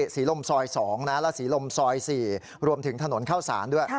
ศรีลมซอย๒และศรีลมซอย๔รวมถึงถนนเข้าสารด้วย